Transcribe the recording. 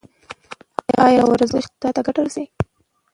ایا ورزش روغتیا ته ګټه لري؟